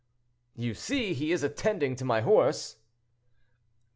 "You see, he is attending to my horse."